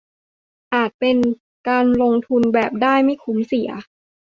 อาจเป็นการลงทุนแบบได้ไม่คุ้มเสีย